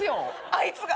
あいつが！